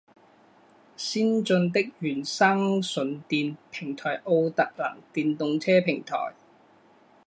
先进的原生纯电平台奥特能电动车平台